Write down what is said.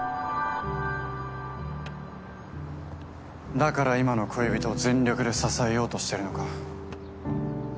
だから今の恋人を全力で支えようとしてるのか？